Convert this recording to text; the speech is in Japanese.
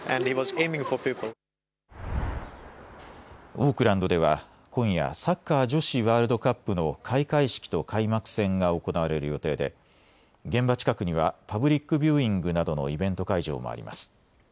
オークランドでは今夜、サッカー女子ワールドカップの開会式と開幕戦が行われる予定で現場近くにはパブリック・ビューイングなどのイベント会場もあります。